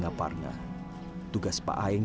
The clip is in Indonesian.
gak ada yanguran gini